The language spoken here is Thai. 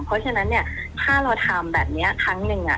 เพราะฉะนั้นเนี่ยถ้าเราทำแบบนี้ครั้งหนึ่ง